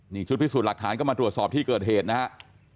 นี่ชุดพิสูจน์หลักฐานก็มาตรวจสอบที่เกิดเหตุนะฮะ